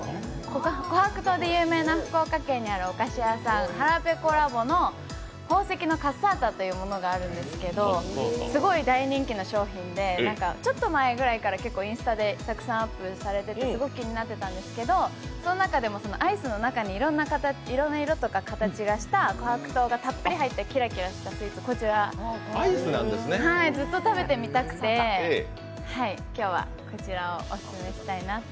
琥珀糖で有名な福岡にあるお菓子屋さん、ｈａｒａｐｅｃｏｌａｂの宝石のカッサータというものがあるんですけどすごい大人気の商品でちょっと前ぐらいからインスタでたくさんアップされていて、すごく気になってたんですけど、その中でもアイスの中にいろんな色とか形がした琥珀糖がたっぷり入ったキラキラしたスイ−ツ、こちら、ずっと食べてみたくて今日はこちらをオススメしたいなと。